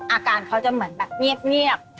อาการเขาจะเหมือนแบบเงียบ